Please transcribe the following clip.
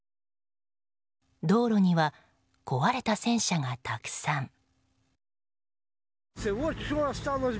道路には壊れた戦車がたくさん。